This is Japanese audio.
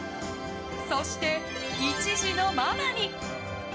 そして、１児のママに！